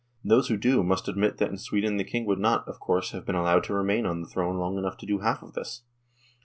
Those who do must admit that in Sweden the King would not, of course, have been allowed to remain on the throne long enough to do half of all this.